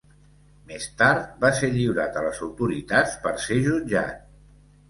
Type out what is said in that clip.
Més tard va ser lliurat a les autoritats per ser jutjat.